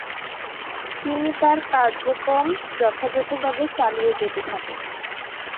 তিনি তার কার্যক্রম যথাযথভাবে চালিয়ে যেতে থাকেন।